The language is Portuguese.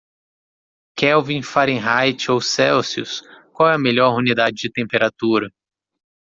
Kelvin? Fahrenheit ou Celsius - qual é a melhor unidade de temperatura?